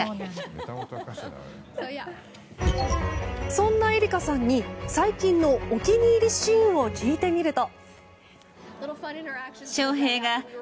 そんなエリカさんに最近のお気に入りシーンを聞いてみると。